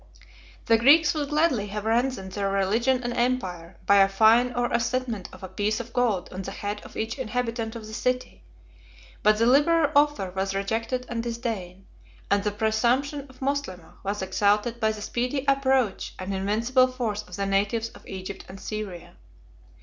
1112 The Greeks would gladly have ransomed their religion and empire, by a fine or assessment of a piece of gold on the head of each inhabitant of the city; but the liberal offer was rejected with disdain, and the presumption of Moslemah was exalted by the speedy approach and invincible force of the natives of Egypt and Syria.